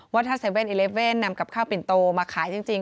ว่าถ้า๗๑๑นำกับข้าวปิ่นโตมาขายจริง